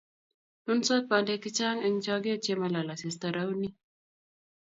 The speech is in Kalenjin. Nunsot bandek che chang' eng' choget ye malal asista rauni